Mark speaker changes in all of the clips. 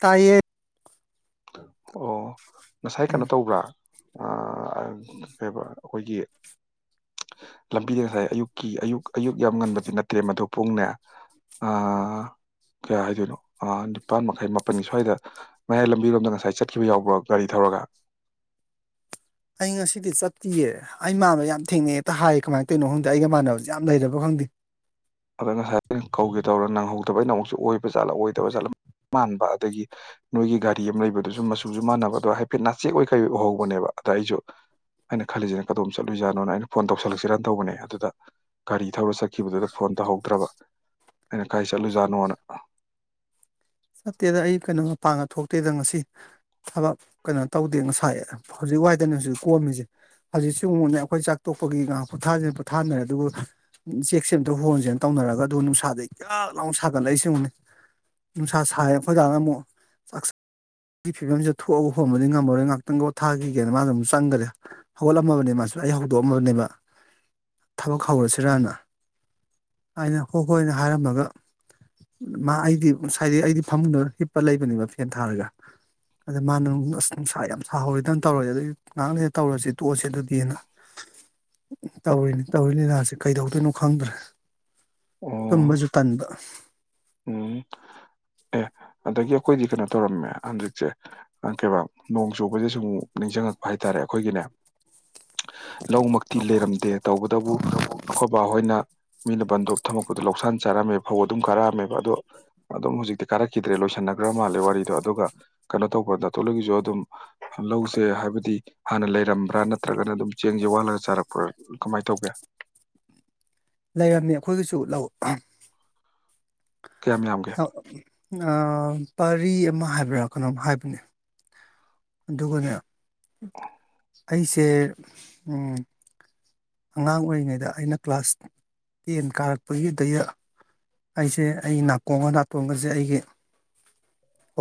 Speaker 1: ꯇꯥꯏꯌꯦꯠ
Speaker 2: ꯑꯣ ꯉꯁꯥꯏ ꯀꯩꯅꯣ
Speaker 1: ꯎꯝ
Speaker 2: ꯇꯧꯕ꯭ꯔꯥ ꯀꯩ ꯑꯩꯈꯣꯏꯒꯤ ꯂꯝꯕꯤꯗ ꯉꯁꯥꯏ ꯑꯌꯨꯛ ꯀꯤ ꯑꯌꯨꯛ ꯑꯌꯨꯛ ꯌꯥꯝ ꯉꯟꯕꯗꯤ ꯅꯠꯇ꯭ꯔꯦ ꯃꯗꯨ ꯄꯨꯡꯅꯦ ꯀꯌꯥ ꯍꯥꯏꯗꯣꯏꯅꯣ ꯅꯤꯄꯥꯥꯟ ꯃꯈꯥꯏ ꯃꯥꯄꯜꯒꯤ ꯁ꯭ꯋꯥꯏꯗ ꯃꯌꯥꯏ ꯂꯝ ꯄꯤꯔꯣꯝꯗ ꯉꯁꯥꯏ ꯆꯠꯈꯤꯕ ꯌꯥꯎꯕ꯭ꯔꯣ ꯒꯥꯔꯤ ꯊꯧꯔꯒ
Speaker 1: ꯑꯩ ꯉꯁꯤꯗꯤ ꯆꯠꯄꯤꯌꯦ ꯑꯩ ꯃꯥꯟꯥꯟꯕꯅꯕ ꯌꯥꯝ ꯊꯦꯡꯅꯩ ꯍꯦꯛꯇ ꯍꯥꯏꯌꯦ ꯀꯃꯥꯏꯅꯧꯅꯣ ꯈꯪꯗꯦ ꯑꯩꯒ ꯃꯥꯟꯅꯕꯁꯦ ꯌꯥꯝ ꯂꯩꯔꯕ ꯈꯪꯗꯦ
Speaker 2: ꯑꯗ ꯉꯁꯥꯏꯩꯅ ꯀꯧꯒꯦ ꯇꯧꯔ ꯅꯪꯍꯧꯗꯕꯩꯅ ꯑꯃꯨꯛꯁꯨ ꯑꯣꯏꯕ ꯖꯠꯂ ꯑꯣꯏꯗꯕ ꯥꯠꯂ ꯃꯥꯟꯕ ꯑꯗꯒꯤ ꯅꯣꯏꯒꯤ ꯒꯥꯔꯤ ꯑꯃ ꯂꯩꯕꯗꯨꯁꯨ ꯃꯆꯨꯁꯨ ꯃꯥꯟꯅꯕ ꯑꯗꯣ ꯍꯥꯏꯐꯦꯠ ꯅꯥꯆꯦꯦꯛ ꯑꯣꯏ ꯀꯩ ꯎꯍꯧꯕꯅꯦꯕ ꯑꯗ ꯑꯩꯁꯨ ꯑꯩꯅ ꯈꯜꯂꯤꯁꯤꯅ ꯀꯗꯣꯝ ꯆꯠꯂꯨꯏꯖꯥꯅꯣꯅ ꯑꯩꯅ ꯐꯣꯟ ꯇꯧꯁꯜꯂꯛꯁꯤꯔꯅ ꯇꯧꯕꯅꯦ ꯑꯗꯨꯗ ꯒꯥꯔꯤ ꯊꯧꯔ ꯆꯠꯈꯤꯕꯗꯨꯗ ꯐꯣꯟ ꯇꯧꯍꯧꯗ꯭ꯔꯕ ꯑꯩꯅ ꯀꯥꯏ ꯆꯠꯂꯨꯖꯥꯠꯅꯣꯅ
Speaker 1: ꯆꯠꯇꯦꯗ ꯑꯩ ꯀꯩꯅꯣ ꯃꯄꯥꯡꯒ ꯊꯣꯛꯇꯦꯗ ꯉꯁꯤ ꯊꯕꯛ ꯀꯩꯅꯣ ꯇꯧꯗꯦ ꯉꯁꯥꯏ ꯍꯧꯖꯤꯛ ꯋꯥꯏꯗꯅꯦ ꯍꯧꯖꯤꯛ ꯀꯣꯝꯃꯤꯁꯦ ꯍꯧꯖꯤꯛ ꯁꯤꯒꯨꯝꯕꯅꯦ ꯑꯩꯈꯣꯏ ꯆꯥꯛ ꯇꯣꯛꯄꯒꯤ ꯉꯥꯏꯍꯥꯛ ꯄꯣꯠꯊꯥꯁꯤꯅꯥ ꯄꯣꯠꯊꯥꯅꯔꯦ ꯑꯗꯨꯕꯨ ꯆꯦꯛꯁꯦ ꯑꯇ ꯍꯣꯔꯣꯟꯁꯦꯅ ꯇꯧꯅꯔꯒ ꯑꯗꯨ ꯅꯨꯡꯁꯥꯗꯩ ꯀꯌꯥꯥꯛ ꯂꯥꯎꯅ ꯁꯥꯒꯠꯂꯛꯏ ꯁꯤꯁꯤꯡꯅꯤ ꯅꯨꯡꯁꯥ ꯁꯥꯏ ꯑꯩꯖꯥꯅ ꯑꯃꯨꯛ ꯆꯥꯛ ꯑꯩꯒꯤ ꯐꯤꯕꯝꯁꯤꯗ ꯊꯣꯛꯑꯒ ꯍꯣꯟꯕꯗꯤ ꯉꯝꯃꯔꯣꯏ ꯉꯥꯏꯥꯛꯇꯪꯒꯣꯊꯥꯈꯤꯒꯦꯅ ꯃꯥꯅ ꯑꯗꯨꯝ ꯆꯪꯈꯔꯦ ꯍꯧꯒꯠꯂꯝꯃꯕꯅꯦ ꯃꯥꯁꯨ ꯑꯩ ꯍꯧꯗꯣꯛꯑꯝꯃꯕꯅꯦꯕ ꯊꯕꯛ ꯍꯧꯔꯁꯤꯔꯅ ꯑꯩꯅ ꯍꯣꯏ ꯍꯣꯏꯅ ꯍꯥꯏꯔꯝꯃꯒ ꯃꯥ ꯑꯩꯗꯤ ꯉꯁꯥꯏꯗꯤ ꯑꯩꯗꯤ ꯐꯝꯅ ꯍꯤꯞꯄ ꯂꯩꯕꯅꯦꯕ ꯐꯦꯟ ꯊꯥꯔꯒ ꯑꯗ ꯃꯥꯅ ꯑꯁ ꯅꯨꯡꯁꯥ ꯌꯥꯝꯅ ꯁꯍꯧꯋꯦꯗꯅ ꯇꯧꯔꯁꯦ ꯑꯗꯨꯒꯤ ꯉꯥꯏꯥꯡ ꯂꯩꯩꯗ ꯇꯧꯔꯁꯤ ꯇꯣꯛꯑꯁꯦ ꯑꯗꯨꯗꯤꯅ ꯎ ꯇꯧꯔꯤꯅꯤ ꯇꯧꯔꯤ ꯂꯤꯂꯥꯁꯦ ꯀꯩꯗꯧꯗꯣꯏꯅꯣ ꯈꯪꯗ꯭ꯔꯦ
Speaker 2: ꯑꯣ
Speaker 1: ꯇꯨꯝꯕꯁꯨ ꯇꯟꯕ
Speaker 2: ꯎꯝ ꯑꯦ ꯑꯗꯒꯤ ꯑꯩꯈꯣꯏꯗꯤ ꯀꯩꯅꯣ ꯇꯧꯔꯝꯃꯦ ꯍꯟꯗꯛꯁꯦ ꯀꯩꯕꯥ ꯅꯣꯡ ꯆꯨꯕꯁꯦ ꯁꯨꯝꯨꯛ ꯅꯤꯡꯁꯤꯡꯉꯛꯄ ꯍꯥꯏꯇꯥꯔꯦ ꯑꯩꯈꯣꯏꯒꯤꯅꯦ ꯂꯧꯃꯛꯇꯤ ꯂꯩꯔꯝꯗꯦ ꯇꯧꯕꯇꯕꯨ ꯑꯩꯈꯣꯏꯕ ꯑꯩꯈꯣꯏꯅ ꯃꯤꯅ ꯕꯟꯗꯣꯞ ꯊꯝꯃꯛꯄꯗ ꯂꯧꯁꯥꯟ ꯆꯥꯔꯝꯃꯦ ꯐꯧ ꯑꯗꯨꯝ ꯀꯥꯔꯛꯑꯃꯦ ꯑꯗꯣ ꯑꯗꯨꯝ ꯍꯧꯖꯤꯛꯇꯤ ꯀꯥꯔꯛꯈꯤꯗ꯭ꯔꯦ ꯂꯣꯏꯁꯟꯅꯈ꯭ꯔ ꯃꯥꯜꯂꯦ ꯋꯥꯔꯤꯗꯣ ꯑꯗꯨꯒ ꯀꯩꯅꯣ ꯇꯧꯕ꯭ꯔꯥ ꯗꯥꯇꯣꯟ ꯍꯣꯏꯒꯤꯁꯨ ꯑꯗꯨꯝ ꯂꯧꯁꯦ ꯍꯥꯏꯕꯗꯤ ꯍꯥꯟꯅ ꯂꯩꯔꯝꯕ꯭ꯔꯥ ꯅꯠꯇ꯭ꯔꯒꯅ ꯑꯗꯨꯝ ꯆꯦꯡ ꯋꯥꯜꯂꯒ ꯆꯥꯔꯛꯄ꯭ꯔꯥ ꯀꯃꯥꯏ ꯇꯧꯒꯦ
Speaker 1: ꯂꯩꯔꯝꯃꯦ ꯑꯩꯈꯣꯏꯒꯤꯁꯨ ꯂꯧ ꯑꯍ
Speaker 2: ꯀꯌꯥꯝ ꯌꯥꯝꯒꯦ
Speaker 1: ꯑ ꯄꯔꯤ ꯑꯃ ꯍꯥꯏꯕ꯭ꯔꯥ ꯀꯩꯅꯣꯝ ꯍꯥꯏꯕꯅꯦ ꯑꯗꯨꯒꯅꯦ ꯑꯩꯁꯦ ꯎꯝ ꯑꯉꯥꯡ ꯑꯣꯏꯔꯤꯉꯩꯗ ꯑꯩꯅ ꯀ꯭ꯂꯥꯁ ꯇꯦꯟ ꯀꯥꯔꯛꯄꯒꯤꯗꯩꯗ ꯑꯩꯁꯦ ꯑꯩ ꯅꯥꯀꯣꯡꯒ ꯅꯥꯇꯣꯟꯒꯖꯦ ꯑꯩꯒꯤ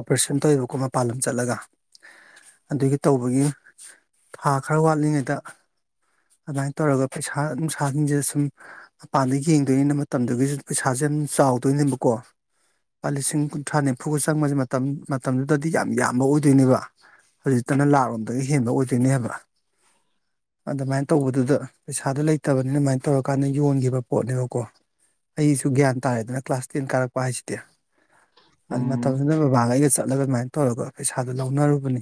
Speaker 1: ꯑꯣꯄ꯭ꯔꯦꯁꯟ ꯇꯧꯋꯦꯕꯀꯣ ꯃꯄꯥꯟ ꯂꯝ ꯆꯠꯂꯒ ꯑꯗꯨꯒꯤ ꯇꯧꯕꯒꯤ ꯊꯥ ꯈꯔ ꯋꯥꯠꯂꯤꯉꯩꯗ ꯑꯗꯨꯃꯥꯏ ꯇꯧꯔꯒ ꯄꯩꯁꯥ ꯅꯨꯡꯁꯥꯁꯤꯡꯁꯦ ꯁꯨꯝ ꯃꯄꯥꯟꯗ ꯌꯦꯡꯗꯣꯏꯅꯤꯅ ꯃꯇꯝꯗꯨꯒꯤꯁꯨ ꯄꯩꯁꯥꯁꯦ ꯌꯥꯝ ꯆꯥꯎꯗꯣꯏꯅꯦꯕꯀꯣ ꯂꯨꯄꯥ ꯂꯤꯁꯤꯡ ꯀꯨꯟꯊ꯭ꯔꯥ ꯅꯤꯝꯐꯨꯒ ꯆꯪꯕꯁꯦ ꯃꯇꯝ ꯃꯇꯝꯗꯨꯗꯗꯤ ꯌꯥꯝ ꯌꯥꯝꯕ ꯑꯣꯏꯗꯣꯏꯅꯦꯕ ꯍꯖꯤꯛꯇꯅ ꯂꯥꯛꯂꯣꯝꯗꯒꯤ ꯍꯦꯟꯕ ꯑꯣꯏꯗꯣꯏꯅꯦꯕ ꯑꯗꯨꯃꯥꯏ ꯇꯧꯕꯗꯨꯗ ꯄꯩꯁꯥꯗꯨ ꯂꯩꯇꯕꯅꯤꯅ ꯃꯥꯏ ꯇꯧꯔꯀꯥꯟꯗ ꯌꯣꯟꯒꯤꯕ ꯄꯣꯠꯅꯦꯕꯀꯣ ꯑꯩꯁꯨ ꯒ꯭ꯌꯥꯟ ꯇꯥꯔꯦꯗꯅ ꯀ꯭ꯂꯥꯁ ꯇꯦꯟ ꯀꯥꯔꯛꯄ ꯍꯥꯏꯁꯤꯗꯤ ꯑꯗꯨ
Speaker 2: ꯎꯝ
Speaker 1: ꯃꯇꯝꯗꯨꯗ ꯕꯕꯥꯒ ꯑꯩꯒ ꯆꯠꯂꯒ ꯑꯗꯨꯃꯥꯏꯟ ꯇꯧꯔꯒ ꯄꯩꯁꯥꯗꯨ ꯂꯧꯅꯔꯨꯕꯅꯤ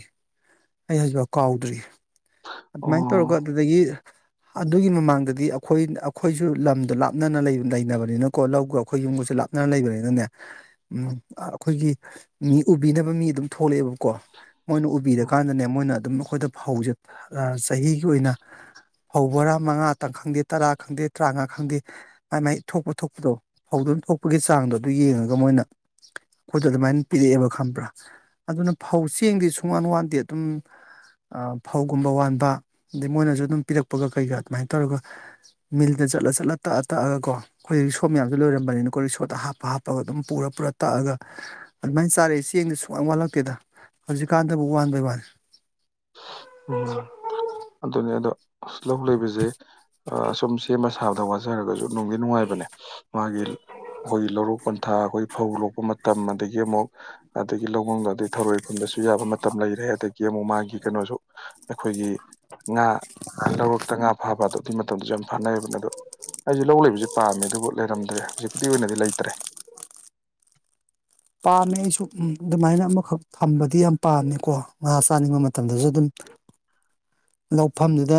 Speaker 1: ꯑꯩ ꯍꯧꯖꯤꯐꯥꯎ ꯀꯥꯎꯗ꯭ꯔꯤ ꯑꯗꯨꯃꯥꯏꯟ ꯇꯧꯔꯒ
Speaker 2: ꯑꯣ
Speaker 1: ꯑꯗꯨꯗꯒꯤ ꯑꯗꯨꯒꯤ ꯃꯃꯥꯡꯗꯗꯤ ꯑꯈꯣꯏ ꯑꯈꯣꯏꯁꯨ ꯂꯝꯗꯨ ꯂꯥꯞꯅꯅ ꯂꯩ ꯂꯩꯅꯕꯅꯤꯅꯀꯣ ꯂꯧꯒ ꯑꯈꯣꯏ ꯌꯨꯝꯒꯁꯨ ꯂꯥꯞ ꯅ ꯂꯩꯕꯅꯤꯅꯅꯦ ꯎꯝ ꯑ ꯑꯈꯣꯏꯒꯤ ꯃꯤ ꯎꯕꯤꯅꯕ ꯃꯤ ꯗꯨꯝ ꯊꯣꯛꯂꯛꯑꯦꯕ ꯀꯣ ꯃꯣꯏꯅ ꯎꯕꯤꯔꯀꯥꯟꯗꯅꯦ ꯃꯣꯏꯅ ꯑꯗꯨꯝ ꯑꯈꯣꯏꯗ ꯐꯧꯖꯦ ꯑ ꯆꯍꯤꯒꯤ ꯑꯣꯏꯅ ꯐꯧ ꯕꯣꯔꯥ ꯃꯉꯥ ꯇꯪ ꯈꯪꯗꯦ ꯇꯔꯥ ꯈꯪꯗꯦ ꯇ꯭ꯔꯥꯉꯥ ꯈꯪꯗꯦ ꯃꯥ ꯃꯥꯏ ꯊꯣꯛꯄ ꯊꯣꯛꯄꯗꯣ ꯐꯧꯗꯨꯅ ꯊꯣꯛꯄꯒꯤ ꯆꯥꯡꯗꯣ ꯑꯗꯨ ꯌꯦꯡꯉꯒ ꯃꯣꯏꯅ ꯈꯣꯏꯗ ꯑꯗꯨꯃꯥꯏꯟ ꯄꯤꯔꯛꯑꯦꯕ ꯈꯪꯕ꯭ꯔꯥ ꯑꯗꯨꯅ ꯐꯧ ꯆꯦꯡꯗꯤ ꯁꯨꯡꯋꯥꯟ ꯋꯥꯥꯟꯗꯦ ꯗꯨꯝ ꯑ ꯐꯧꯒꯨꯝꯕ ꯋꯥꯟꯕꯥ ꯑꯗꯩ ꯃꯣꯏꯅꯖꯨ ꯑꯗꯨꯝ ꯄꯤꯔꯛꯄꯒ ꯀꯩꯒ ꯑꯗꯨꯃꯥꯏꯟ ꯇꯧꯔꯒ ꯃꯤꯜꯗ ꯆꯠꯂ ꯆꯠꯂ ꯇꯛꯑ ꯇꯛꯑꯒꯀꯣ ꯈꯣꯏ ꯔꯤꯁꯣ ꯃꯌꯥꯝꯖꯨ ꯂꯣꯏꯔꯝꯕꯅꯤꯅꯀꯣ ꯔꯤꯁꯣꯇ ꯍꯥꯞꯄ ꯍꯥꯞꯄꯒ ꯑꯗꯨꯝ ꯄꯨꯔ ꯄꯨꯔ ꯇꯛꯑꯒ ꯑꯗꯨꯃꯥꯏꯟ ꯆꯥꯔꯛꯏ ꯆꯦꯡꯗꯤ ꯁꯨꯡꯋꯥꯟ ꯋꯥꯜꯂꯛꯇꯦꯗ ꯍꯧꯖꯤꯛꯀꯥꯟꯗꯕꯨ ꯋꯥꯟꯕꯩ ꯋꯥꯟ
Speaker 2: ꯎꯝ ꯑꯗꯨꯅꯦ ꯑꯗꯣ ꯂꯧ ꯂꯩꯕꯖꯦ ꯑ ꯁꯨꯝ ꯁꯦꯝꯕ ꯁꯥꯕꯗ ꯋꯥꯖꯔꯒꯖꯨ ꯅꯨꯡꯗꯤ ꯅꯨꯡꯉꯥꯏꯕꯅꯦ ꯃꯥꯒꯤ ꯑꯈꯣꯏꯒꯤ ꯂꯧꯔꯣꯛ ꯄꯟꯊꯥ ꯑꯈꯣꯏ ꯐꯧ ꯂꯣꯛꯄ ꯃꯇꯝ ꯑꯗꯒꯤ ꯑꯃꯨꯛ ꯑꯗꯒꯤ ꯂꯧꯃꯨꯡꯗꯗꯤ ꯑꯗꯩ ꯊꯔꯣꯏ ꯈꯨꯟꯕꯁꯨ ꯌꯥꯕ ꯃꯇꯝ ꯂꯩꯔꯦ ꯑꯗꯒꯤ ꯑꯃꯨꯛ ꯃꯥꯒꯤ ꯀꯩꯅꯣꯁꯨ ꯑꯩꯈꯣꯏꯒꯤ ꯉꯥ ꯂꯧꯔꯛꯇ ꯉꯥ ꯐꯥꯕꯗꯣ ꯑꯗꯨꯏ ꯃꯇꯝꯗꯁꯨ ꯌꯥꯝ ꯐꯅꯩꯌꯦꯕꯅꯦ ꯑꯗꯣ ꯑꯩꯁꯨ ꯂꯧ ꯂꯩꯕꯁꯦ ꯄꯥꯝꯃꯦ ꯑꯗꯨꯕꯨ ꯂꯩꯔꯝꯗ꯭ꯔꯦ ꯍꯧꯖꯤꯛꯄꯨꯗꯤ ꯑꯣꯏꯅꯗꯤ ꯂꯩꯇ꯭ꯔꯦ
Speaker 1: ꯄꯥꯝꯃꯦ ꯑꯩꯁꯨ ꯎꯝ ꯑꯗꯨꯃꯥꯏꯅ ꯑꯃꯈꯛ ꯊꯝꯕꯗꯤ ꯌꯥꯝ ꯄꯥꯝꯃꯦꯀꯣ ꯉꯥ ꯆꯥꯅꯤꯡꯕ ꯃꯇꯝꯗꯁꯨ ꯑꯗꯨꯝ ꯂꯧꯐꯝꯗꯨꯗ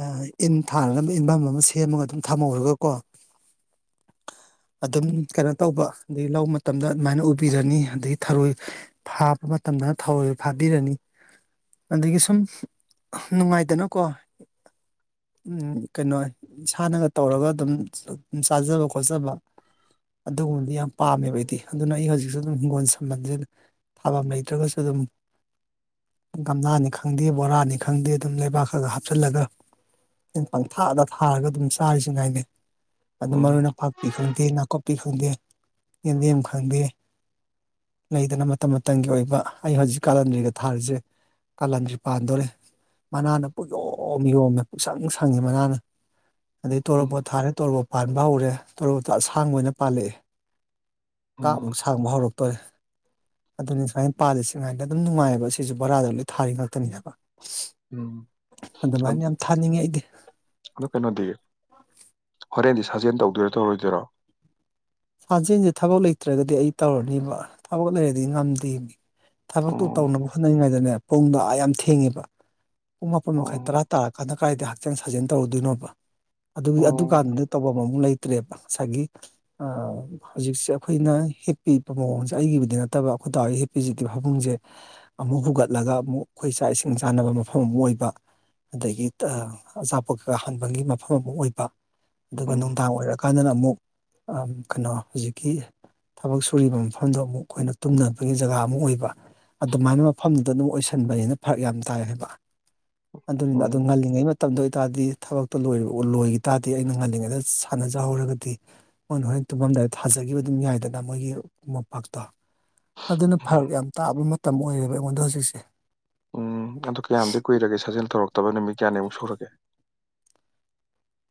Speaker 1: ꯑ ꯏꯟ ꯊꯥꯅꯕ ꯏꯟꯐꯝ ꯑꯃ ꯁꯦꯝꯃꯒ ꯑꯗꯨꯝ ꯊꯝꯃꯧꯔꯒꯀꯣ ꯑꯗꯨꯝ ꯀꯩꯅꯣ ꯇꯧꯕ ꯗꯤ ꯂꯧ ꯃ ꯇꯝꯗ ꯑꯗꯨꯃꯥꯏꯅ ꯎꯕꯤꯔꯅꯤ ꯑꯗꯒꯤ ꯊꯔꯣꯏ ꯊꯥꯕ ꯃꯇꯝꯗꯅ ꯊꯔꯣꯏ ꯐꯥꯕꯤꯔꯅꯤ ꯑꯗꯒꯤ ꯁꯨꯝ ꯅꯨꯡꯉꯥꯏꯗꯅꯀꯣ ꯎꯝ ꯀꯩꯅꯣꯏ ꯏꯁꯥꯅꯒ ꯇꯧꯔꯒ ꯑꯗꯨꯝ ꯆꯥ ꯆꯥꯖꯕ ꯈꯣꯠꯆꯕ ꯑꯗꯨꯒꯨꯝꯗꯤ ꯌꯥꯝ ꯄꯥꯝꯃꯦꯕ ꯑꯩꯗꯤ ꯑꯗꯨꯅ ꯑꯩ ꯍꯧꯖꯤꯛꯁꯨ ꯑꯗꯨꯝ ꯍꯤꯡꯒꯣꯟ ꯁꯝꯕꯟꯖꯦ ꯊꯥꯕꯝ ꯂꯩꯇ꯭ꯔꯒꯁꯨ ꯗꯨꯝ ꯒꯝꯂꯥꯅꯤ ꯈꯪꯗꯦ ꯕꯣꯔꯥꯅꯤ ꯈꯪꯗꯦ ꯑꯗꯨꯝ ꯂꯩꯕꯥꯛ ꯈꯒ ꯍꯥꯞꯆꯜꯂꯒ ꯑꯩꯟ ꯄꯪꯊꯥꯗ ꯊꯥꯔꯒ ꯑꯗꯨꯝ ꯆꯥꯔꯤꯁꯤ ꯉꯥꯏꯅꯦ ꯑꯗꯨ
Speaker 2: ꯎꯝ
Speaker 1: ꯃꯔꯣꯏ ꯅꯄꯥꯛꯄꯤ ꯈꯪꯗꯦ ꯅꯥꯀꯨꯞꯄꯤ ꯈꯪꯗꯦ ꯌꯦꯟꯗꯦꯝ ꯈꯪꯗꯦ ꯂꯩꯗꯅ ꯃꯇꯝ ꯃꯇꯝꯒꯤ ꯑꯣꯏꯕ ꯑꯩ ꯍꯖꯤꯛ ꯀꯥꯂꯟꯗ꯭ꯔꯤꯒ ꯊꯥꯔꯤꯖꯦ ꯀꯥꯂꯟꯗ꯭ꯔꯤ ꯄꯥꯟꯗꯣꯔꯦ ꯃꯅꯥꯅ ꯄꯨꯡꯌꯣꯝ ꯌꯣꯝꯃꯦ ꯄꯨꯡꯁꯪ ꯁꯪꯉꯦ ꯃꯅꯥꯅ ꯑꯗꯩ
Speaker 2: ꯎꯝ
Speaker 1: ꯇꯣꯔꯣꯕꯣꯠ ꯊꯥꯔꯦ ꯇꯣꯔꯣꯕꯣꯠ ꯄꯥꯟꯕ ꯍꯧꯔꯦ ꯇꯣꯔꯣꯕꯣꯠꯇꯣ ꯑꯁꯥꯡꯕ ꯑꯣꯏꯅ ꯄꯥꯜꯂꯛꯑꯦ ꯀꯥꯞꯃꯨꯛ
Speaker 2: ꯎꯝ
Speaker 1: ꯁꯥꯡꯕ ꯍꯧꯔꯛꯇꯣꯔꯦ ꯑꯗꯨꯅꯤ ꯁꯨꯃꯥꯏ ꯄꯥꯜꯂꯤꯁꯤꯉꯥꯏꯗ ꯑꯗꯨꯝ ꯅꯨꯡꯉꯥꯏꯕ ꯁꯤꯖꯨ ꯕꯣꯔꯥꯗ ꯂꯣꯏ ꯊꯥꯔꯤ ꯉꯥꯛ ꯇꯅꯤ ꯍꯥꯏꯕ
Speaker 2: ꯎꯝ
Speaker 1: ꯑꯗꯨꯃꯥꯏꯟ ꯌꯥꯝ ꯊꯥꯅꯤꯡꯉꯦ ꯑꯩꯗꯤ
Speaker 2: ꯑꯗꯨ ꯀꯩꯅꯣꯗꯤ ꯍꯣꯔꯦꯟꯗꯤ ꯁꯥꯖꯦꯟ ꯇꯧꯗꯣꯏꯔꯣ ꯇꯧꯔꯣꯏꯗꯣꯔꯣ
Speaker 1: ꯁꯥꯥꯟꯖꯦꯟꯖꯦ ꯊꯕꯛ ꯂꯩꯇ꯭ꯔꯒꯗꯤ ꯑꯩ ꯇꯧꯔꯅꯤꯕ ꯊꯕꯛ ꯂꯩꯔꯗꯤ ꯉꯝꯗꯦꯃꯤ ꯊꯕꯛꯇꯨ
Speaker 2: ꯑꯣ
Speaker 1: ꯇꯧꯅꯕ ꯍꯣꯠꯅꯩꯉꯩꯗꯅꯦ ꯄꯨꯡꯗꯣ ꯑꯥ ꯌꯥꯝ ꯊꯦꯡꯉꯦꯕ ꯄꯨꯡ ꯃꯥꯄꯟ ꯃꯈꯥꯏ ꯇꯔꯥ
Speaker 2: ꯑꯣ
Speaker 1: ꯇꯥ ꯀꯥꯗ ꯀꯥꯏꯗ ꯍꯛꯆꯥꯡ ꯁꯥꯖꯦꯟ ꯇꯧꯔꯨꯗꯣꯏꯅꯣꯕ ꯑꯗꯨꯒꯤ ꯑꯗꯨ
Speaker 2: ꯑꯣ
Speaker 1: ꯀꯥꯟꯗ ꯇꯧꯕꯝ ꯑꯃꯨꯛ ꯂꯩ ꯇꯔꯦꯄ ꯉꯁꯥꯏꯒꯤ ꯑ ꯍꯧꯖꯤꯛꯁꯦ ꯑꯩꯈꯣꯏꯅ ꯍꯤꯞꯄꯤꯕ ꯃꯑꯣꯡꯖꯦ ꯑꯩꯒꯤꯕꯨꯗꯤ ꯅꯠꯇꯕ ꯑꯈꯣꯏ ꯗꯥꯍꯣꯏꯒꯤ ꯍꯤꯞꯄꯤꯖꯤꯗꯤ ꯐꯃꯨꯡꯖꯦ ꯑꯃꯨꯛ ꯍꯨꯒꯠꯂꯒ ꯑꯃꯨꯛ ꯑꯩꯈꯣꯏ ꯆꯥꯛ ꯏꯁꯤꯡ ꯆꯥꯅꯕ ꯃꯐꯝ ꯑꯃꯨꯛ ꯑꯣꯏꯕ ꯑꯗꯒꯤ ꯇꯥ ꯑꯆꯥꯄꯣꯠ ꯀꯩꯀꯥ ꯍꯥꯟꯕꯒꯤ ꯃꯐꯝ ꯑꯃꯨꯛ ꯑꯣꯏꯕ ꯑꯗꯨꯒ
Speaker 2: ꯎꯝ
Speaker 1: ꯅꯨꯡꯗꯥꯡ ꯑꯣꯏꯔꯛꯀꯥꯟꯗꯅ ꯑꯃꯨꯛ ꯑ ꯀꯩꯅꯣ ꯍꯨꯖꯤꯛꯀꯤ ꯊꯕꯛ ꯁꯨꯔꯤꯕ ꯃꯐꯝꯗꯣ ꯑꯃꯨꯛ ꯑꯈꯣꯏꯅ ꯇꯨꯝꯅꯕꯒꯤ ꯖꯒꯥ ꯑꯃꯨꯛ ꯑꯣꯏꯕ ꯑꯗꯨꯃꯥꯏꯅ ꯃꯐꯝꯗꯨꯗ ꯑꯗꯨꯝ ꯑꯣꯏꯁꯤꯟꯕꯅꯤꯅ ꯐꯔꯛ ꯌꯥꯝ ꯇꯥꯏ ꯍꯥꯏꯕ ꯑꯗꯨꯅꯤꯗ ꯑꯗꯨ
Speaker 2: ꯎꯝ
Speaker 1: ꯉꯜꯂꯤꯉꯩ ꯃꯠ ꯇꯝꯗ ꯑꯣꯏꯇꯥꯗꯤ ꯊꯕꯛꯇꯣ ꯂꯣꯏꯔꯑꯣ ꯂꯣꯏꯒꯤ ꯇꯥꯗꯤ ꯑꯩꯅ ꯉꯜꯂꯤꯉꯩꯗ ꯁꯥꯟꯅꯖꯍꯧꯔꯒꯗꯤ ꯃꯣꯏꯅ ꯍꯣꯔꯦꯟ ꯇꯨꯝꯃꯝꯗꯥꯏꯗ ꯊꯥꯖꯒꯤꯕ ꯑꯗꯨꯝ ꯌꯥꯏꯗꯅ ꯃꯣꯏꯒꯤ ꯃꯣꯝꯄꯥꯛꯇꯣ ꯑꯗꯨꯅ
Speaker 2: ꯎꯝ
Speaker 1: ꯐꯔꯛ ꯌꯥꯝ ꯇꯥꯕ ꯃꯇꯝ ꯑꯣꯏꯔꯦꯕ ꯑꯩꯉꯣꯟꯗ ꯍꯧꯖꯤꯛꯁꯦ
Speaker 2: ꯎꯝ ꯑꯗꯨ ꯀꯌꯥꯝꯗꯤ ꯀꯨꯏꯔꯒꯦ ꯁꯥꯖꯦꯜ ꯇꯧꯔꯛꯇꯕ ꯅꯨꯃꯤꯠ ꯀꯌꯥꯅꯤꯃꯨꯛ ꯁꯨꯔꯒꯦ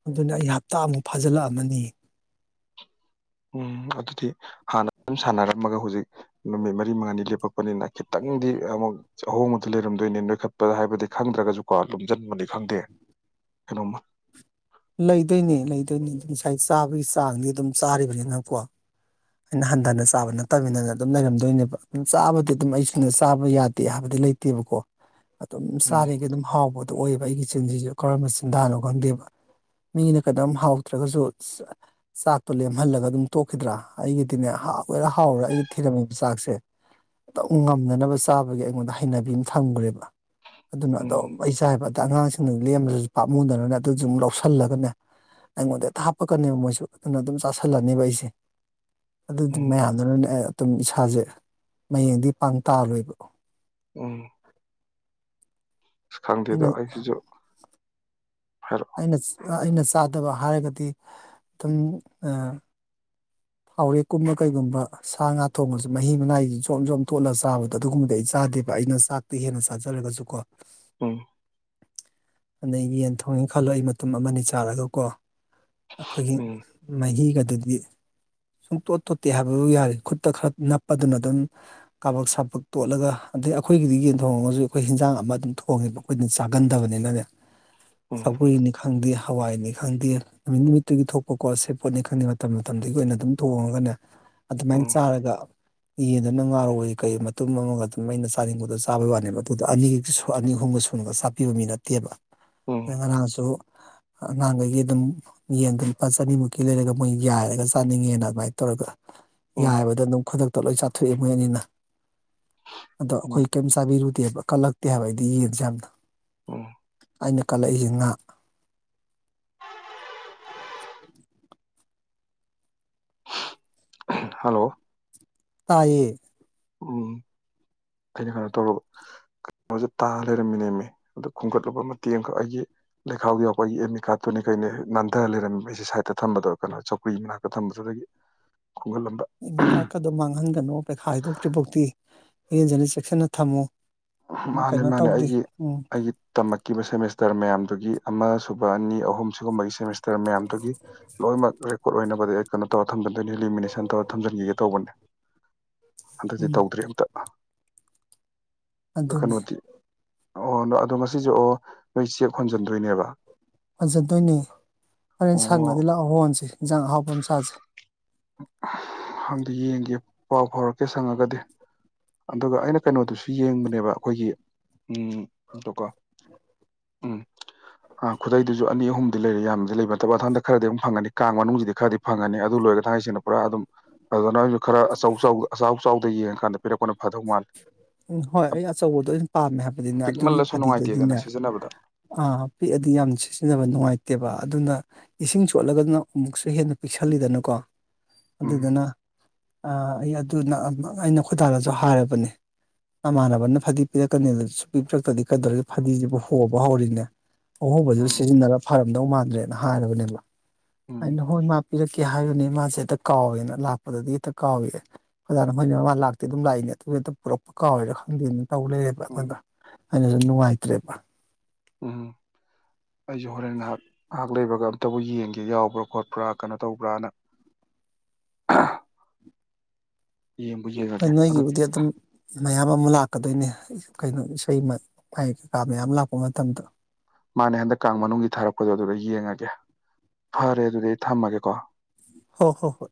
Speaker 1: ꯑꯗꯨꯅꯦ ꯑꯩ ꯍꯞꯇꯥꯃꯨꯛ ꯐꯥꯖꯤꯜꯂꯛꯑꯝꯃꯅꯤꯌꯦ
Speaker 2: ꯎꯝ ꯑꯗꯨꯗꯤ ꯍꯥꯟꯅ ꯐꯖꯅ ꯁꯥꯟꯅꯔꯝꯃꯒ ꯍꯨꯖꯤꯛ ꯅꯨꯃꯤꯠ ꯃꯔꯤ ꯃꯉꯥꯅꯤ ꯂꯦꯞꯄꯛꯄꯅꯤꯅ ꯈꯤꯇꯪꯗꯤ ꯑꯃꯨꯛ ꯑꯍꯣꯡꯕꯗꯨ ꯂꯩꯔꯝꯗꯣꯏꯅꯤ ꯅꯣꯏꯈꯠꯄꯗ ꯍꯥꯏꯕꯗꯤ ꯈꯪꯗ꯭ꯔꯒꯁꯨꯀꯣ ꯂꯨꯝꯖꯤꯟꯕꯅꯤ ꯈꯪꯗꯦ ꯀꯩꯅꯣꯝꯃ
Speaker 1: ꯂꯩꯗꯣꯏꯅꯦ ꯂꯩꯗꯣꯏꯅꯦ ꯑꯗꯨꯝ ꯉꯁꯥꯏ ꯆꯥꯕꯒꯤ ꯆꯥꯡꯗꯤ ꯑꯗꯨꯝ ꯆꯥꯔꯤꯕꯅꯤꯅ ꯀꯣ ꯑꯩꯅ ꯍꯟꯗꯅ ꯆꯥꯕ ꯅꯠꯇꯃꯤꯅꯅꯦ ꯑꯗꯨꯝ ꯂꯩꯔꯝꯗꯣꯏꯅꯦꯕ ꯑꯝ ꯆꯥꯕꯗꯤ ꯑꯗꯨꯝ ꯑꯩꯁꯨꯨꯅꯦ ꯆꯥꯕ ꯌꯥꯗꯦ ꯍꯥꯏꯕꯗꯤ ꯂꯩ ꯇꯦꯕꯀꯣ ꯑꯗꯨꯝ
Speaker 2: ꯎꯝ
Speaker 1: ꯆꯥꯔꯤꯒꯩ ꯑꯗꯨꯝ ꯍꯥꯎꯕꯗꯣ ꯑꯣꯏꯌꯦꯕ ꯑꯩꯒꯤ ꯆꯤꯟꯖꯤꯖꯨ ꯀꯔꯝꯕ ꯆꯤꯟꯗꯥꯅꯣ ꯈꯪꯗꯦꯕ ꯃꯤꯒꯤꯅ ꯀꯩꯅꯣꯝ ꯍꯥꯎꯇ꯭ꯔꯒꯁꯨ ꯆꯥꯛꯇꯣ ꯂꯦꯝꯍꯜꯂꯒ ꯑꯗꯨꯝ ꯇꯣꯛꯈꯤꯗ꯭ꯔꯥ ꯑꯩꯒꯤꯗꯤꯅꯦ ꯍꯥꯎꯒꯦꯔ ꯍꯥꯎꯔꯣꯔ ꯑꯩꯒꯤ ꯊꯤꯔꯝꯃꯤꯕ ꯆꯥꯛꯁꯦ ꯑꯗꯨꯝ ꯉꯝꯅꯅꯕ ꯆꯥꯕꯒꯤ ꯑꯩꯉꯣꯟꯗ ꯍꯩꯅꯕꯤ ꯑꯝ ꯊꯝꯒ꯭ꯔꯦꯕ ꯑꯗꯨꯅ
Speaker 2: ꯎꯝ
Speaker 1: ꯑꯗꯨꯝ ꯑꯩ ꯆꯥꯏꯕ ꯑꯗ ꯑꯉꯥꯡꯁꯤꯡꯅ ꯂꯦꯝꯕꯗꯁꯨ ꯄꯥꯝꯃꯨꯗꯅ ꯑꯗꯨꯖꯨ ꯃꯨꯛ ꯂꯧꯁꯟ ꯥꯍꯜꯂꯒꯅꯦ ꯑꯩꯉꯣꯟꯗ ꯍꯦꯛꯇ ꯍꯥꯞꯄꯀꯅꯦꯕ ꯃꯣꯏꯁꯨ ꯑꯗꯨꯅ ꯑꯗꯨꯝ ꯆꯥꯥꯁꯜꯂꯅꯦꯕ ꯑꯩꯁꯦ ꯑꯗꯨꯒꯤ
Speaker 2: ꯎꯝ
Speaker 1: ꯃꯌꯥꯝꯗꯨꯅꯅꯦ ꯑꯩ ꯑꯗꯨꯝ ꯏꯁꯥꯖꯦ ꯃꯌꯦꯡꯗꯤ ꯄꯥꯡ ꯇꯥꯔꯣꯏꯕ
Speaker 2: ꯎꯝ ꯑꯁ ꯈꯪꯗꯦꯗꯣ
Speaker 1: ꯑꯩꯅ
Speaker 2: ꯑꯩꯁꯤꯖꯨ ꯍꯥꯏꯔꯣ
Speaker 1: ꯑꯩꯅ ꯑ ꯑꯩꯅ ꯆꯥꯗꯕ ꯍꯥꯏꯔꯒꯗꯤ ꯑꯗꯨꯝ ꯑ ꯊꯥꯎꯔꯦꯛꯀꯨꯝꯃ ꯀꯩꯒꯨꯝꯕ ꯁꯥ ꯉꯥ ꯊꯣꯡꯉꯁꯨ ꯃꯍꯤ ꯃꯅꯥꯏꯖꯤ ꯖꯣꯝ ꯖꯣꯝ ꯇꯣꯠꯂ ꯆꯥꯕꯗꯣ ꯑꯗꯨꯒꯨꯝꯕꯗꯤ ꯑꯩ ꯆꯥꯗꯦꯕ ꯑꯩꯅ ꯆꯥꯛꯇꯤ ꯍꯦꯟꯅ ꯆꯥꯖꯔꯒꯁꯨꯀꯣ
Speaker 2: ꯎꯝ
Speaker 1: ꯑꯗꯩ ꯌꯦꯟ ꯊꯣꯡꯉꯦ ꯈꯜꯂꯣ ꯑꯩ ꯃꯇꯨꯝ ꯑꯃꯅꯤ ꯆꯥꯔꯒꯀꯣ ꯑꯈꯣꯏꯒꯤ
Speaker 2: ꯎꯝ
Speaker 1: ꯃꯍꯤꯒꯗꯨꯗꯤ ꯁꯨꯡꯇꯣꯠ ꯇꯣꯠꯇꯦ ꯍꯥꯏꯕꯕꯨ ꯌꯥꯔꯦ ꯈꯨꯠꯇ ꯈꯔ ꯅꯞꯄꯗꯨꯅ ꯑꯗꯨꯝ ꯀꯥꯕꯛ ꯁꯥꯄꯛ ꯇꯣꯠꯂꯒ ꯑꯗꯩ ꯑꯈꯣꯏꯒꯤꯗꯤ ꯌꯦꯟ ꯊꯣꯡꯉꯒꯁꯨ ꯑꯈꯣꯏ ꯍꯤꯟꯖꯥꯡ ꯑꯃ ꯑꯗꯨꯝ ꯊꯣꯡꯉꯦꯕ ꯈꯣꯏꯅ ꯆꯥꯒꯟꯗꯕꯅꯤꯅꯅꯦ
Speaker 2: ꯎꯝ
Speaker 1: ꯁꯧꯒ꯭ꯔꯤꯅꯤ ꯈꯪꯗꯦ ꯍꯋꯥꯏꯅꯤ ꯈꯪꯗꯦ ꯅꯨꯃꯤꯠ ꯅꯨꯃꯤꯠꯇꯨꯒꯤ ꯊꯣꯛꯄꯀꯣ ꯁꯦꯕꯣꯠꯅꯦ ꯈꯪꯗꯦ ꯃꯇꯝ ꯃꯇꯝꯗꯨꯒꯤ ꯑꯣꯏꯅ ꯑꯗꯨꯝ ꯊꯣꯡꯉꯒꯅꯦ ꯑꯗꯨꯃꯥꯏ
Speaker 2: ꯎꯝ
Speaker 1: ꯆꯥꯔꯒ ꯌꯦꯟꯗꯨꯅ ꯉꯥꯔꯧꯑꯣꯏ ꯀꯩ ꯑꯣꯏꯠꯃꯇꯨꯡ ꯑꯃꯒ ꯑꯗꯨꯝ ꯃꯥꯏꯅ ꯆꯥꯅꯤꯡꯕꯗꯣ ꯆꯥꯕꯩ ꯋꯥꯅꯦꯕ ꯑꯗꯨꯗ ꯑꯅꯤꯁꯨ ꯑꯅꯤ ꯑꯍꯨꯝꯒ ꯁꯨ ꯀꯩꯅꯒ ꯆꯥꯕꯤꯕ ꯃꯤ ꯅꯠꯇꯦꯕ
Speaker 2: ꯎꯝ
Speaker 1: ꯑꯗꯩ ꯉꯔꯥꯡꯁꯨ ꯑꯉꯥꯡꯒꯩꯒꯤ ꯑꯗꯨꯝ ꯌꯦꯟꯗꯨ ꯂꯨꯄꯥ ꯆꯅꯤꯃꯨꯛꯀꯤ ꯂꯩꯔꯒ ꯃꯣꯏ ꯌꯥꯏꯔꯒ ꯆꯥꯅꯤꯡꯉꯦꯅ ꯑꯗꯨꯃꯥꯏꯅ ꯇꯧꯔꯒ
Speaker 2: ꯎꯝ
Speaker 1: ꯌꯥꯏꯕꯗꯣ ꯑꯗꯨꯝ ꯈꯨꯗꯛꯇ ꯂꯣꯏ ꯆꯥꯊꯣꯛꯑꯦ ꯃꯣꯏ ꯑꯅꯤꯅ ꯑꯗꯣ
Speaker 2: ꯎꯝ
Speaker 1: ꯑꯈꯣꯏ ꯀꯩꯝ ꯆꯥꯕꯤꯔꯨꯗꯦꯕ ꯀꯜꯂꯛꯇꯦ ꯍꯥꯏꯕ ꯑꯩꯗꯤ ꯌꯦꯡꯁꯦ ꯌꯥꯝꯅ
Speaker 2: ꯎꯝ
Speaker 1: ꯑꯩꯅ ꯀꯜꯂꯛꯏꯁꯤ ꯉꯥ
Speaker 2: ꯍꯜꯂꯣ
Speaker 1: ꯇꯥꯏꯌꯦ
Speaker 2: ꯎꯝ ꯑꯩꯅ ꯈꯔꯥꯇꯧꯔꯕꫭ [unintelligible] ꯇꯥꯔ ꯂꯩꯔꯝꯃꯤꯅꯦꯝꯃꯤ ꯑꯗꯨ ꯈꯣꯝꯒꯠꯂꯨꯕ ꯃꯇꯦꯡ ꯑꯃꯈꯛ ꯑꯩꯒꯤ ꯂꯩꯈꯥꯎꯗꯨ ꯌꯥꯎꯕ ꯑꯩꯒꯤ ꯑꯦꯝ ꯑꯦ ꯀꯥꯔꯠꯇꯨꯅꯤ ꯀꯩꯅꯤ ꯅꯥꯟꯊ ꯂꯩꯔꯝꯃꯤ ꯁꯥꯏꯗꯠꯇ ꯊꯝꯕꯗꯣ ꯀꯩꯅꯣ ꯆꯧ ꯍꯨꯏ ꯃꯅꯥꯛꯇ ꯊꯝꯕꯗꯨꯗꯒꯤ ꯈꯨꯡꯒꯜ ꯂꯝꯕ
Speaker 1: ꯏ‌ꯦꯃꯤꯠ ꯀꯠꯀꯥꯗꯣ ꯃꯥꯡꯍꯟꯒꯅꯣ ꯄꯩꯈꯥ ꯍꯥꯏꯗꯣꯛꯇ꯭ꯔꯤꯐꯧꯗꯤ ꯏꯔꯦꯟꯖꯅ ꯆꯦꯛꯁꯤꯟꯅ ꯊꯝꯃꯨ
Speaker 2: ꯃꯥꯅꯦ
Speaker 1: ꯀꯩꯅꯣ
Speaker 2: ꯃꯥꯅꯦ
Speaker 1: ꯇꯧꯗꯦ
Speaker 2: ꯑꯩꯒꯤ
Speaker 1: ꯎꯝ
Speaker 2: ꯑꯩꯒꯤ ꯇꯝꯃꯛꯈꯤꯕ ꯁꯦꯃꯤꯁꯇꯔ ꯃꯌꯥꯝꯗꯨꯒꯤ ꯑꯃ ꯁꯨꯕ ꯑꯅꯤ ꯑꯍꯨꯝ [unintelligible] ꯁ‌ꯦꯃꯤꯁꯇꯔ ꯃꯌꯥꯝꯗꯨꯒꯤ ꯂꯣꯏꯅꯃꯛ ꯔꯦꯛ ꯄꯣꯠ ꯑꯣꯏꯅꯕꯗꯤ ꯑꯩ ꯀꯩꯅꯣ ꯇꯧꯔ ꯊꯝꯖꯟꯗꯣꯏꯅꯤ ꯂꯤꯂꯤꯃꯤꯅꯦꯁꯟ ꯇꯧꯔ ꯊꯝꯖꯤꯟꯈꯤꯒꯦ ꯇꯧꯕꯅꯦ ꯍꯟꯗꯛꯇꯤ
Speaker 1: ꯎꯝ
Speaker 2: ꯇꯧꯗ꯭ꯔ‌ꯦ ꯑꯝꯇ ꯑꯗꫭ
Speaker 1: ꯑꯗꯨꯅꯤ
Speaker 2: ꯀꯩꯅꯣꯗꯤ ꯑꯣ ꯑꯗꯣ ꯉꯁꯤꯁ‌ꯦ ꯑꯣ ꯅꯣꯏ ꯆꯦꯛ ꯍꯣꯟꯖꯟꯗꯣꯏꯅꯦꯕ
Speaker 1: ꯍꫭꯟꯖꯟꯗꯣꯏꯅꯦ ꯑꯣꯔꯦꯟ
Speaker 2: ꯑꯣ
Speaker 1: ꯁꯪꯉꯗꯤ ꯂꯥꯛꯑꯣ ꯍꯣꯟꯁꯦ ꯌꯦꯟꯖꯥꯡ ꯑꯍꯥꯎꯄ ꯆꯁꯦ
Speaker 2: ꯍꯪꯗꯤ ꯌꯦꯡꯒꯦ ꯄꯥꯎ ꯐꯥꯎꯔꯛꯀꯦ ꯁꯪꯉꯒꯗꯤ ꯑꯗꯨꯒ ꯑꯩꯅ ꯀꯩꯅꯣꯗꯨꯁꯨ ꯌꯦꯡꯕꯅꯦꯕ ꯑꯩꯈꯣꯏꯒꯤ ꯎꯀꯣ ꯎꯝ ꯑꯥ ꯈꯨꯗꯩꯗꯨꯁꯨ ꯑꯅꯤ ꯑꯍꯨꯝꯗꯤ ꯂꯩꯔꯦ ꯌꯥꯝꯗꯤ ꯂꯩꯕ ꯅꯠꯇꯕ ꯑꯊꯟꯗ ꯈꯔꯗꯤ ꯐꯪꯒꯅꯤ ꯀꯥꯡ ꯃꯅꯨꯡꯁꯤꯗꯤ ꯈꯔꯗꯤ ꯐꯪꯉꯅꯤ ꯑꯗꯨ ꯂꯣꯏꯔꯒ ꯊꯥꯡꯉꯩꯁꯤꯡꯅ ꯄꯨꯔꯥ ꯑꯗꯨꯝ ꯑꯗꯨꯅꯁꯨ ꯈꯔ ꯑꯆꯧ ꯆꯥꯎ ꯑꯆꯥꯎ ꯆꯥꯎꯗ ꯌꯦꯡꯉꯀꯥꯟꯗ ꯄꯤꯔꯛꯄꯅ ꯐꯥꯗꯧ ꯃꯥꯜꯂ‌ꯦ
Speaker 1: ꯎꯝ ꯍꯣꯏ ꯑꯩ ꯑꯆꯧꯕꯗꯣ ꯑꯣꯏꯅ ꯄꯥꯝꯃꯦ ꯍꯥꯏꯕꯅꯤꯅ ꯑꯗꯨꯒꯤ
Speaker 2: ꯄꯤꯛꯃꯜꯂꯁꯨ ꯅꯨꯡꯉꯥꯏꯇꯦꯗꯅ
Speaker 1: ꯐꯗꯤꯗꯨꯗꯤꯅꯦ
Speaker 2: ꯁꯤꯖꯤꯟꯅꯕꯗ
Speaker 1: ꯑꯥ ꯄꯤꯛꯑꯗꯤ ꯌꯥꯝ ꯁꯤꯖꯤꯟꯅꯕ ꯅꯨꯡꯉꯥꯏꯇꯦꯕ ꯑꯗꯨꯅ ꯏꯁꯤꯡ ꯆꯣꯠꯂꯒꯅ ꯑꯃꯨꯛꯁꯨ ꯍꯦꯟꯅ ꯄꯤꯛꯁꯜꯂꯤꯗꯅꯀꯣ
Speaker 2: ꯎꯝ
Speaker 1: ꯑꯗꯨꯗꯨꯅ ꯑꯥ ꯑꯩ ꯑꯗꯨ ꯑꯩꯅ ꯈꯣꯏꯗꯥꯗꯁꯨ ꯍꯥꯏꯔꯕꯅꯦ ꯃꯃꯥꯟꯅꯕꯅ ꯐꯗꯤ ꯄꯤꯔꯛꯀꯅꯤꯗꫭ ꯁꯨꯡꯄꯤ ꯄꯤꯔꯛꯇ꯭ꯔꯗꯤ ꯀꯩꯗꯧꯔꯦ ꯐꯗꯤꯁꯤꯕꯨ ꯍꯣꯕ ꯍꯧꯔꯤꯅꯦ ꯑꯍꯣꯕꯗꯨ
Speaker 2: ꯎꯝ
Speaker 1: ꯁꯤꯖꯤꯟꯅꯔ ꯐꯔꯝꯗꯧ ꯃꯥꯟꯗ꯭ꯔꯦꯅ ꯍꯥꯏꯔꯕꯅꯦꯕ
Speaker 2: ꯎꯝ
Speaker 1: ꯑꯩꯅ ꯍꯣꯏ ꯃꯥ ꯄꯤꯔꯛꯀꯦ ꯍꯥꯏꯕꯅꯤ ꯃꯥꯁꯦ ꯍꯦꯛꯇ ꯀꯥꯎꯋꯦꯅ ꯂꯥꯛꯄꯗꯗꯤ ꯍꯦꯛꯇ ꯀꯥꯎꯏ [unintelligible] ꯃꯣꯏ ꯃꯥꯃ ꯂꯥꯛꯇꯦ ꯑꯗꯨꯝ ꯂꯥꯛꯏꯅꯦ ꯇꯨꯠꯇ ꯄꯨꯔꯛꯄ ꯀꯥꯎꯔꯤꯔ ꯈꯪꯗꯦꯃꯤ ꯇꯧꯔ ꯂꯩꯔꯦꯕ
Speaker 2: ꯎꯝ
Speaker 1: ꯑꯩꯉꯟꯗ ꯑꯩꯅꯁꯨ ꯅꯨꯡꯉꯥꯏꯇ꯭ꯔꯦꯕ
Speaker 2: ꯎꯝ
Speaker 1: [inaudible]
Speaker 2: ꯑꯩꯁꯨ ꯍꯣꯔꯦꯟ ꯉꯥꯏꯍꯥꯛ ꯉꯥꯏꯍꯥꯛ ꯂꯩꯕꯒ ꯑꯝꯇꯕꯨ ꯌꯦꯡꯒꯦ ꯌꯥꯎꯕ꯭ꯔꯥ ꯈꯣꯠꯄ꯭ꯔꯥ ꯀꯩꯅꯣ ꯇꯧꯕ꯭ꯔꯥꯅ ꯌꯦꯡꯕꯨ ꯌꯦꯡ
Speaker 1: ꯍꯣꯏ ꯅꯣꯏꯒꯤꯕꯨꯗꯤ ꯑꯗꯨꯝ ꯃꯌꯥꯝ ꯑꯃ ꯂꯥꯛꯀꯗꯣꯏꯅꯦ ꯀꯩꯅꯣ ꯏꯁꯩ [unintelligible] ꯀꯩꯀꯥ ꯃꯌꯥꯝ ꯂꯥꯛꯄ ꯃꯇꯝꯗꯨ
Speaker 2: ꯃꯥꯅꯦ ꯍꯟꯗꯛ ꯀꯥꯡ ꯃꯅꯨꯡꯒꯤ ꯊꯥꯔꯛꯄꯗꯣ ꯑꯗꯨꯗ ꯌꯦꯡꯉꯒꯦ ꯐꯔꯦ ꯑꯗꯨꯗꯤ ꯑꯩ ꯊꯝꯃꯒꯦꯀꯣ
Speaker 1: ꯍꯣ ꯍꯣ ꯍꯣꯏ